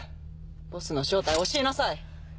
ボスの正体教えなさい！